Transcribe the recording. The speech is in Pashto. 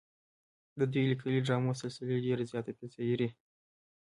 د دوي ليکلې ډرامو سلسلې ډېره زياته پذيرائي